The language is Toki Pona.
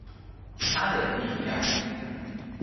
ale ni li jaki.